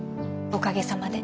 おかげさまで。